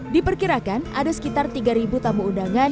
diperkirakan ada sekitar tiga tamu undangan